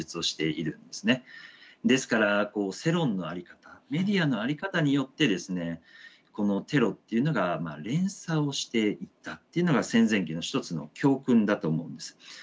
ですから世論の在り方メディアの在り方によってですねこのテロっていうのが連鎖をしていったっていうのが戦前期の一つの教訓だと思うんです。